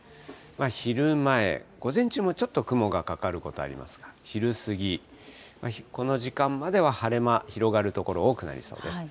昼前、午前中もちょっと雲がかかることありますが、昼過ぎ、この時間までは晴れ間広がる所、多くなりそうです。